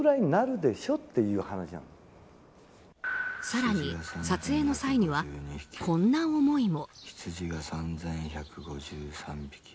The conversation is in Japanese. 更に撮影の際にはこんな思いも。